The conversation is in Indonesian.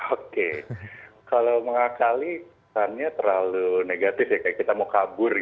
oke kalau mengakali kesannya terlalu negatif ya kayak kita mau kabur